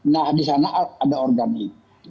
nah disana ada organ itu